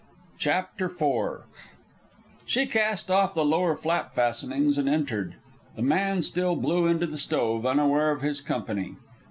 CHAPTER IV She cast off the lower flap fastenings and entered. The man still blew into the stove, unaware of his company.